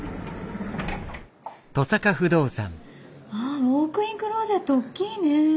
あウォークインクローゼット大きいね。